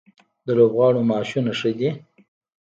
د لوبغاړو معاشونه ښه دي؟